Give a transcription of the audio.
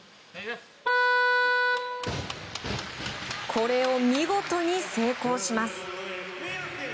これを見事に成功します。